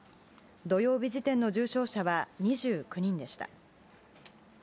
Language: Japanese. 土曜日時点の重症者は２９人でした。